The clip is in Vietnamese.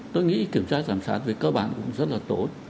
tôi nghĩ kiểm tra giám sát về cơ bản cũng rất là tốt